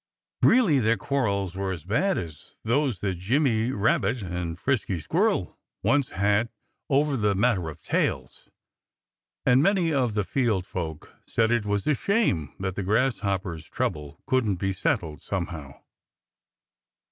Really, their quarrels were as bad as those that Jimmy Rabbit and Frisky Squirrel once had over the matter of tails. And many of the field folk said it was a shame that the Grasshoppers' trouble couldn't be settled somehow.